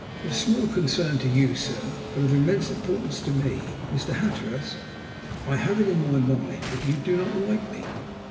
"Of small concern to you, sir, but of immense importance to me. Mr. Hatteras, I have it in my mind that you do not like me."